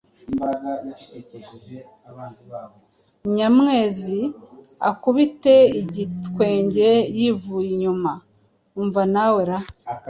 Nyamwezi: (Akubite igitwenge yivuye inyuma) Umva nawe ra!